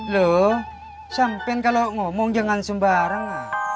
lo sampe kalau ngomong jangan sembarang